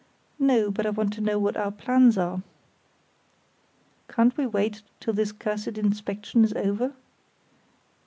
"No; but I want to know what our plans are." "Can't we wait till this cursed inspection's over?"